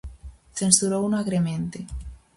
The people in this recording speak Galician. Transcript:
Censurouno agremente.